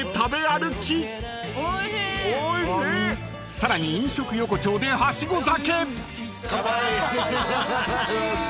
［さらに飲食横町ではしご酒］